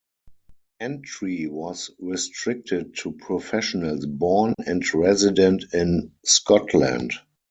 Entry was restricted to professionals born and resident in Scotland.